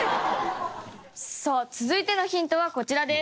さあ、続いてのヒントはこちらです。